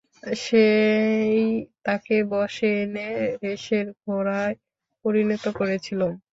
সে-ই তাকে বশে এনে রেসের ঘোড়ায় পরিণত করেছিল।